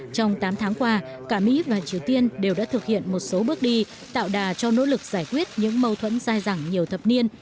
trong tám tháng qua cả mỹ và triều tiên đều đã thực hiện một số bước đi tạo đà cho nỗ lực giải quyết những mâu thuẫn dai dẳng nhiều thập niên